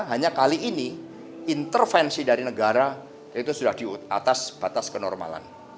hanya kali ini intervensi dari negara itu sudah di atas batas kenormalan